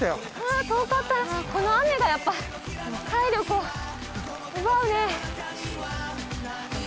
この雨がやっぱ体力を奪うね。